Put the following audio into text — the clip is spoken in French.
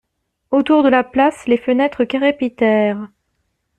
Autour de la place, les fenêtres crépitèrent.